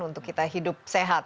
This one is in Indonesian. untuk kita hidup sehat